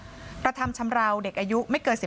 เป็นพี่เป็นน้องกันโตมาด้วยกันตั้งแต่แล้ว